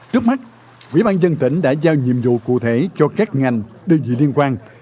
trước mắt quỹ ban dân tỉnh đã giao nhiệm vụ cụ thể cho các ngành đơn vị liên quan